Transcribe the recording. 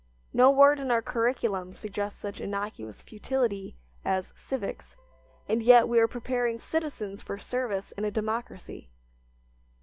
No word in our curriculum suggests such innocuous futility as "civics," and yet we are preparing citizens for service in a democracy!